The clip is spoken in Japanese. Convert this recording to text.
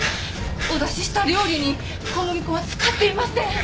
お出しした料理に小麦粉は使っていません。